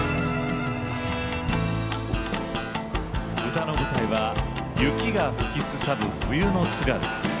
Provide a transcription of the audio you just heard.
歌の舞台は雪が吹きすさぶ冬の津軽。